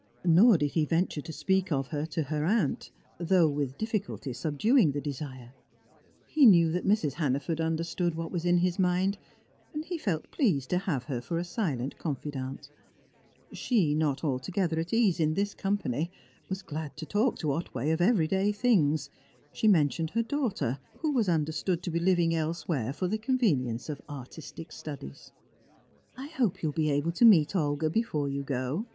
Nor did he venture to speak of her to her aunt, though with difficulty subduing the desire. He knew that Mrs. Hannaford understood what was in his mind, and he felt pleased to have her for a silent confidante. She, not altogether at ease in this company, was glad to talk to Otway of everyday things; she mentioned her daughter, who was understood to be living elsewhere for the convenience of artistic studies. "I hope you will be able to meet Olga before you go.